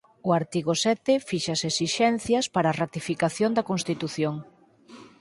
O artigo sete fixa as esixencias para a ratificación da Constitución.